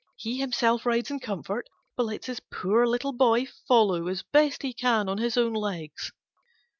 He himself rides in comfort, but lets his poor little boy follow as best he can on his own legs!"